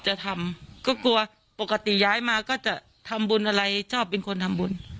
จะทำก็กลัวปกติย้ายมาก็จะทำบุญอะไรชอบเป็นคนทำบุญ